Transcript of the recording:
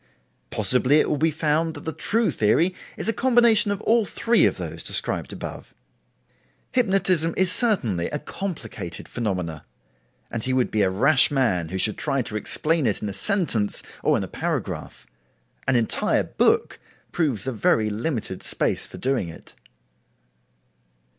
Possibly it will be found that the true theory is a combination of all three of those described above. Hypnotism is certainly a complicated phenomena, and he would be a rash man who should try to explain it in a sentence or in a paragraph. An entire book proves a very limited space for doing it.